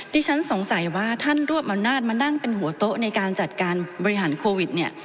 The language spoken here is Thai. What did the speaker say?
ที่ฉันสงสัยว่าท่านรวบอำนาจมานั่งเป็นหัวโต๊ะในการจัดการบริหารโควิดเนี่ย